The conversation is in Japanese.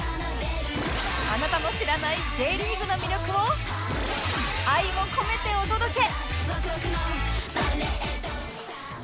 あなたの知らない Ｊ リーグの魅力を愛を込めてお届け！